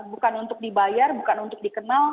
bukan untuk dibayar bukan untuk dikenal